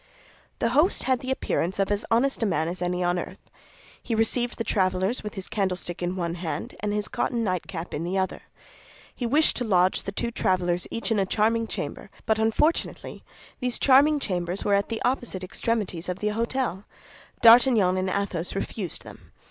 The host had the appearance of as honest a man as any on earth. He received the travelers with his candlestick in one hand and his cotton nightcap in the other. He wished to lodge the two travelers each in a charming chamber; but unfortunately these charming chambers were at the opposite extremities of the hôtel. D'Artagnan and Athos refused them.